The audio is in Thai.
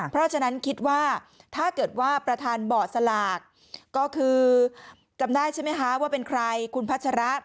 เพราะฉะนั้นคิดว่าถ้าเกิดว่าประธานเบาะสลากก็คือจำได้ใช่ไหมคะว่าเป็นใครคุณพัชระ